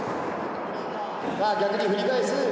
「さあ逆に振り返す」